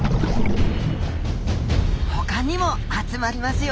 他にも集まりますよ。